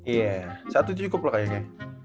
iya satu cukup loh kayaknya